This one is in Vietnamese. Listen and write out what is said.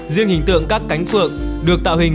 riêng hình tượng các cánh phượng được tạo hình